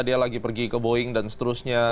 dia lagi pergi ke boeing dan seterusnya